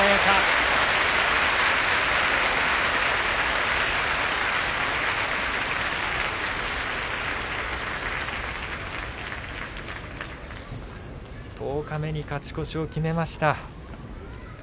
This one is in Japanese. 拍手十日目に勝ち越しを決めました。